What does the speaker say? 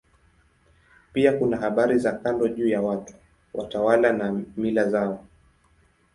Pia kuna habari za kando juu ya watu, watawala na mila zao.